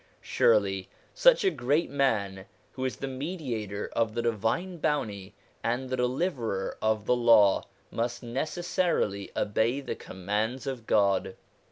Surely such a great man, who is the mediator of the Divine Bounty and the deliverer of the Law, must necessarily obey the commands of God.